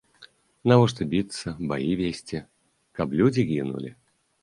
Навошта біцца, баі весці, каб людзі гінулі?